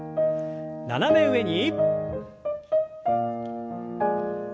斜め上に。